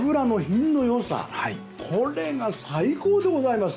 これが最高でございます。